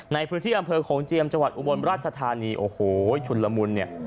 ในพื้นที่อำเภอโขงเจียมจังหวัดอุบลราชธานีโอ้โหชุนละมุนเนี่ย